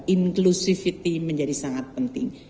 inclusivity menjadi sangat penting